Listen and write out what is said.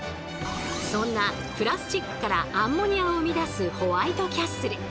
そんなプラスチックからアンモニアを生み出すホワイトキャッスル。